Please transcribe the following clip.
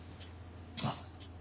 ああ。